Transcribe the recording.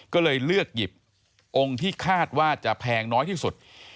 ก็เลยเลือกหยิบองค์ที่คาดว่าจะแพงน้อยที่สุด